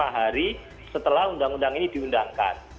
empat puluh lima hari setelah undang undang ini diundangkan